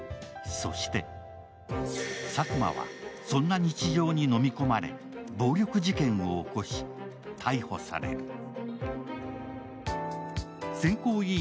そしてサクマはそんな日常にのみ込まれ暴力事件を起こし、逮捕される。